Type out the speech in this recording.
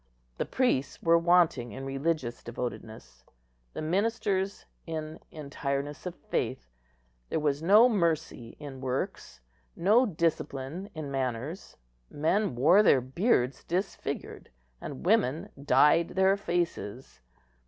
The priests were wanting in religious devotedness, the ministers in entireness of faith; there was no mercy in works, no discipline in manners. Men wore their beards disfigured, and woman dyed their faces.